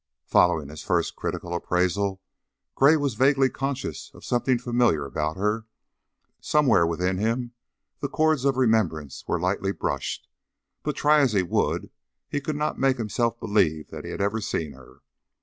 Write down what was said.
Following his first critical appraisal, Gray was vaguely conscious of something familiar about her; somewhere within him the chords of remembrance were lightly brushed; but try as he would he could not make himself believe that he had ever seen her.